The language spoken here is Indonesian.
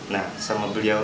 nah sama beliau tuh